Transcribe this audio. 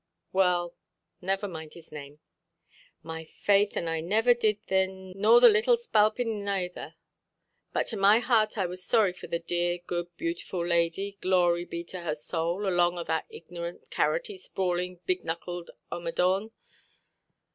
"Well, never mind his name——" "My faith, and I niver did, thin, nor the little spalpin ayther. But to my heart I was sorry for the dear, good, beautiful lady—glory be to her sowl—along o' that ignorant, carroty, sprawlinʼ, big–knuckled omadhawn.